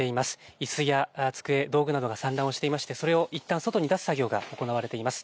いすや机、道具などが散乱をしていまして、それをいったん外に出す作業が行われています。